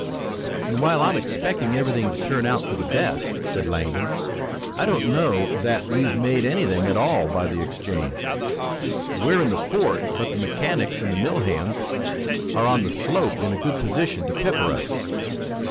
"And while I'm expecting everything to turn out for the best," said Langdon, "I don't know that we've made anything at all by the exchange. We're in the fort, but the mechanics and mill hands are on the slope in a good position to pepper us."